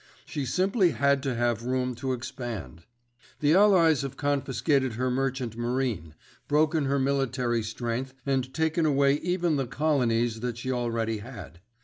She simply had to have room to expand. The Allies have confiscated her merchant marine, broken her military strength and taken away even the colonies that she already had.